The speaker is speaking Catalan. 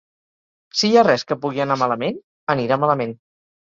Si hi ha res que pugui anar malament, anirà malament.